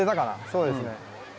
そうですね。